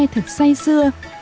thật say xưa